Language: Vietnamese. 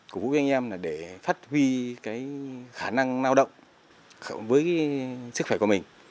củng với anh em là để phát huy cái khả năng lao động với sức khỏe của mình